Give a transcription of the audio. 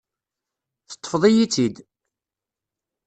Teṭṭfeḍ-iyi-tt-id.